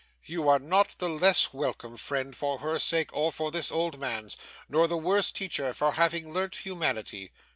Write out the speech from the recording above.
You are not the less welcome, friend, for her sake, or for this old man's; nor the worse teacher for having learnt humanity.